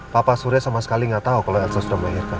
bapak surya sama sekali gak tau kalau elsa sudah melahirkan